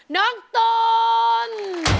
น้องตุ๋น